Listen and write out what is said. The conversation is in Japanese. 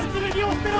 捨てろ！